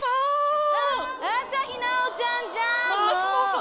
朝日奈央ちゃんじゃん！